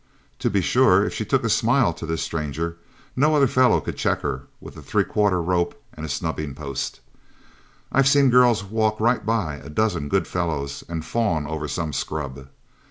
To be sure, if she took a smile to this stranger, no other fellow could check her with a three quarter rope and a snubbing post. I've seen girls walk right by a dozen good fellows and fawn over some scrub.